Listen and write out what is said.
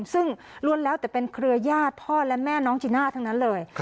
ซึ่งล้วนแล้วแต่เป็นเครือญาติพ่อและแม่น้องจีน่าทั้งนั้นเลย